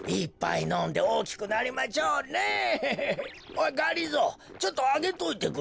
おいがりぞーちょっとあげといてくれ。